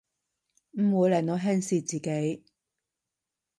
唔會令我輕視自己